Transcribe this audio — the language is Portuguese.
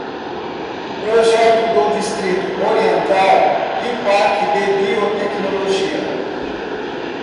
Projeto do Distrito Oriental e Parque de Biotecnologia